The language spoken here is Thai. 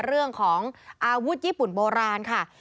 เรื่องของอาวุธญี่ปุ่นโบราณค่ะ